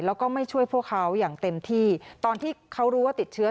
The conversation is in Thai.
แล้วก็ไม่ช่วยพวกเขาอย่างเต็มที่ตอนที่เขารู้ว่าติดเชื้อ